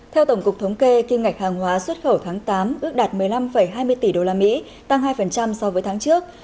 theo tổng cục thống kê kim ngạch hàng hóa xuất khẩu tháng tám ước đạt một mươi năm hai mươi tỷ usd tăng hai so với tháng trước